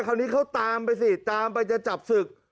คราวนี้เขาตามไปสิตามไปจะจับศึก